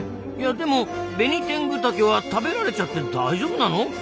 でもベニテングタケは食べられちゃって大丈夫なの？